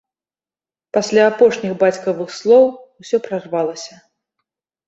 Пасля апошніх бацькавых слоў усё прарвалася.